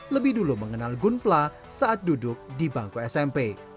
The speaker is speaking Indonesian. lebih dulu mengenal gunpla saat duduk di bangku smp